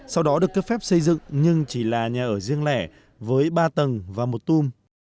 sau đó được cấp phép xây dựng nhưng chỉ là nhà ở riêng lẻ với ba tầng và một tùm